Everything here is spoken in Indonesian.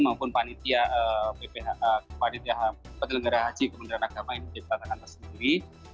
maupun panitia penyelenggara haji kementerian agama ini menjadi tantangan tersendiri